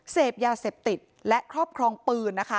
เสพยาเสพติดและครอบครองปืนนะคะ